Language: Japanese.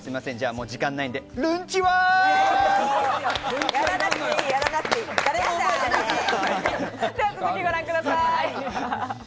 もう時間ないんでは続きご覧ください。